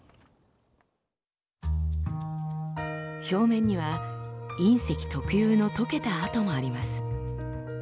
表面には隕石特有の溶けた跡もあります。